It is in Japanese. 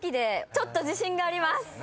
ちょっと自信あります。